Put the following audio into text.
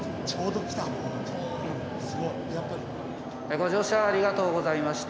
「ご乗車ありがとうございました。